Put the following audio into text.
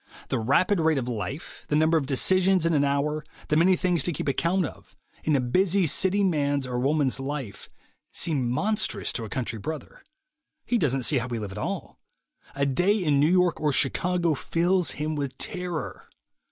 The rapid rate of life, the number of decisions in an hour, the many things to keep account of, in a busy city man's or woman's life, seem monstrous to a country brother. He doesn't see how we live at all. A day in New York or Chicago fills him with terror.